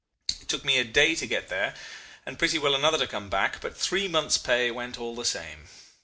It took me a day to get there and pretty well another to come back but three months' pay went all the same.